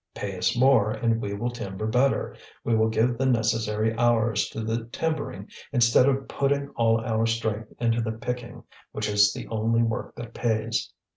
Pay us more and we will timber better, we will give the necessary hours to the timbering instead of putting all our strength into the picking, which is the only work that pays.